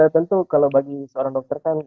tentu kalau bagi seorang dokter kan